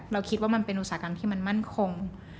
คิดว่ามันเป็นอุตสาหกรรมที่มันมั่นคง